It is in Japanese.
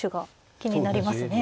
気になりますね